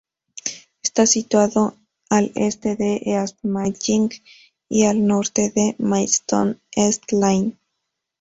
Está situado al este de East Malling, y al norte del Maidstone East Line.